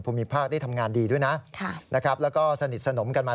ภูมิภาคได้ทำงานดีด้วยนะนะครับแล้วก็สนิทสนมกันมา